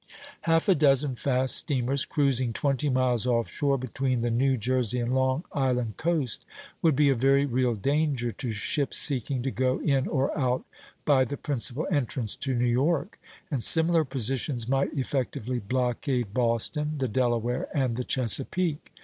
Half a dozen fast steamers, cruising twenty miles off shore between the New Jersey and Long Island coast, would be a very real danger to ships seeking to go in or out by the principal entrance to New York; and similar positions might effectively blockade Boston, the Delaware, and the Chesapeake.